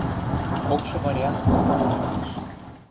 — Кокшы вариант основной лиэш.